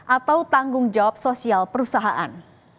atau tanggung jawab sosial perusahaan